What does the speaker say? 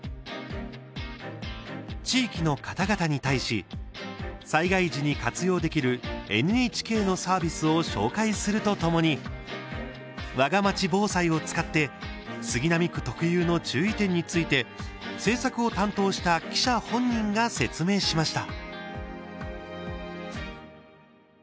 地域の方々に対し災害時に活用できる、ＮＨＫのサービスを紹介するとともにわがまち防災を使って杉並区特有の注意点について制作を担当した記者本人が説明しました。